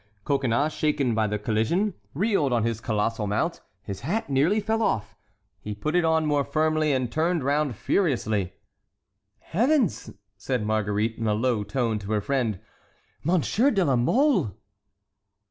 Coconnas, shaken by the collision, reeled on his colossal mount, his hat nearly fell off; he put it on more firmly and turned round furiously. "Heavens!" said Marguerite, in a low tone, to her friend, "Monsieur de la Mole!"